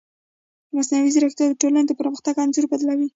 مصنوعي ځیرکتیا د ټولنې د پرمختګ انځور بدلوي.